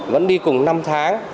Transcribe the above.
vẫn đi cùng năm tháng